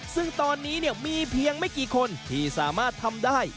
ซึ่งตอนนี้มีเพียงไม่กี่คนที่สามารถทำได้